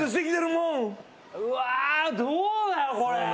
うわどうなのこれ。